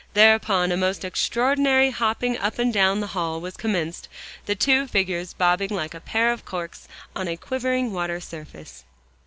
Thereupon a most extraordinary hopping up and down the hall was commenced, the two figures bobbing like a pair of corks on a quivering water surface.